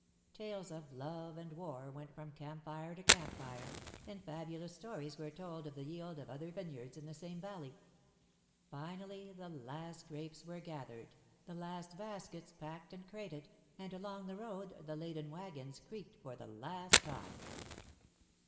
Tales of love and war went from camp fire to camp fire, and fabulous stories were told of the yield of other vineyards in the same valley. Finally the last grapes were gathered, the last baskets packed and crated, and along the road the laden waggons creaked for the last time.